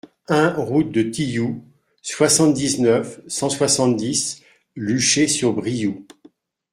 un route de Tillou, soixante-dix-neuf, cent soixante-dix, Luché-sur-Brioux